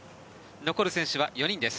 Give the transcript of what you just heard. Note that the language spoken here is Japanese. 残る選手は４人です。